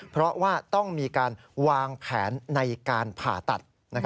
เพราะว่าต้องมีการวางแผนในการผ่าตัด